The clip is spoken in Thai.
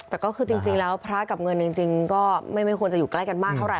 แต่ก็คือจริงแล้วพระกับเงินจริงก็ไม่ควรจะอยู่ใกล้กันมากเท่าไ